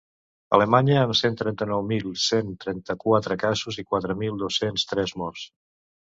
Alemanya, amb cent trenta-nou mil cent trenta-quatre casos i quatre mil dos-cents tres morts.